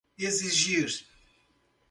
exigir